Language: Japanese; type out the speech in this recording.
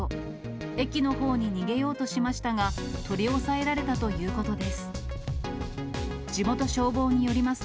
駅のほうに逃げようとしましたが、取り押さえられたということです。